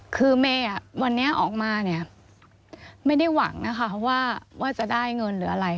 คือเมย์วันนี้ออกมาเนี่ยไม่ได้หวังนะคะว่าจะได้เงินหรืออะไร